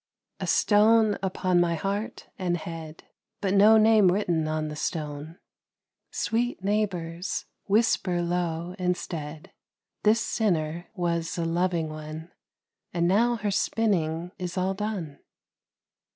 A stone upon my heart and head, But no name written on the stone! Sweet neighbours, whisper low instead, "This sinner was a loving one, And now her spinning is all done."